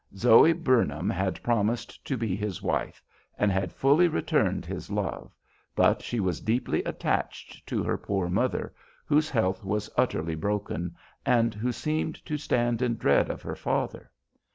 Zoe Burnham had promised to be his wife, and had fully returned his love, but she was deeply attached to her poor mother, whose health was utterly broken, and who seemed to stand in dread of her father.